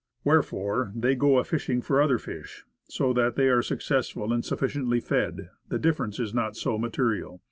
Wherefore, they go a fishing for other fish. So that they are successful and sufficiently fed, the differ ence is not so material.